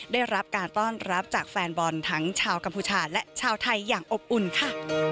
ได้รับการต้อนรับจากแฟนบอลทั้งชาวกัมพูชาและชาวไทยอย่างอบอุ่นค่ะ